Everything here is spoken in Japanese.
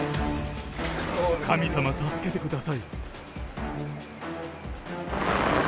神様、助けてください。